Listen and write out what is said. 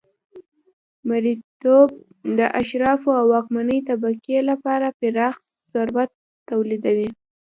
مریتوب د اشرافو او واکمنې طبقې لپاره پراخ ثروت تولیدوي